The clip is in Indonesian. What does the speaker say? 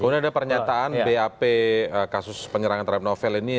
kemudian ada pernyataan bap kasus penyerangan terhadap novel ini